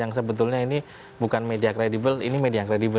yang sebetulnya ini bukan media kredibel ini media yang kredibel